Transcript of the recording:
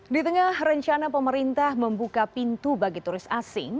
di tengah rencana pemerintah membuka pintu bagi turis asing